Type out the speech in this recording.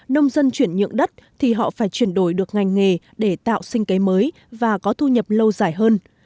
nông dân chuyển nhượng đất thì họ phải chuyển đổi được ngành nghề để tạo sinh kế mới và có thu nhập lâu dài hơn